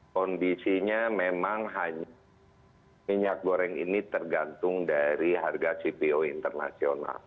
kondisinya memang hanya minyak goreng ini tergantung dari harga cpo internasional